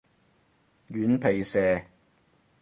軟皮蛇